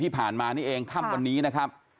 ที่ผ่านมานี่เองค่ำวันนี้นะครับ